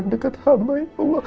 yang kurasakan ya allah